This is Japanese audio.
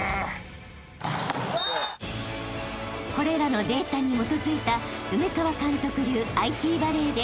［これらのデータに基づいた梅川監督流ＩＴバレーで］